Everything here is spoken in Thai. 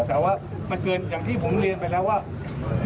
แต่ว่ามันเกินอย่างที่ผมเรียนไปแล้วว่า